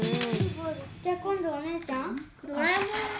じゃあ今度お姉ちゃん？